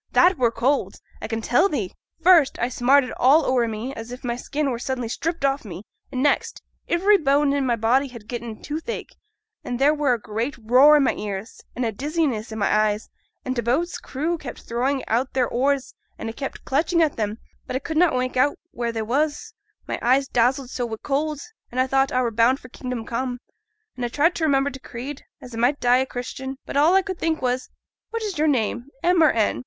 That were cold, a can tell the'! First, I smarted all ower me, as if my skin were suddenly stript off me: and next, ivery bone i' my body had getten t' toothache, and there were a great roar i' my ears, an' a great dizziness i' my eyes; an' t' boat's crew kept throwin' out their oars, an' a kept clutchin' at 'em, but a could na' make out where they was, my eyes dazzled so wi' t' cold, an' I thought I were bound for "kingdom come," an' a tried to remember t' Creed, as a might die a Christian. But all a could think on was, "What is your name, M or N?"